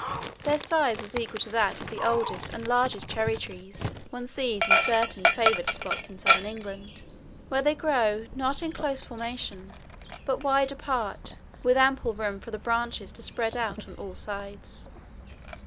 Their size was equal to that of the oldest and largest cherry trees one sees in certain favoured spots in Southern England, where they grow not in close formation but wide apart with ample room for the branches to spread on all sides.